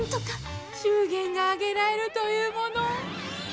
祝言が挙げられるというもの！